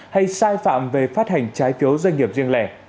hay sai phạm về phát hành trái phiếu doanh nghiệp riêng lẻ